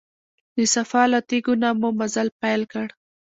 د صفا له تیږو نه مو مزل پیل کړ.